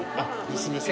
娘さん。